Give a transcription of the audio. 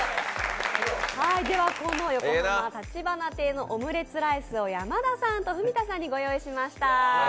ではこの横濱たちばな亭のオムレツライスを山田さんと文田さんにご用意いたしました。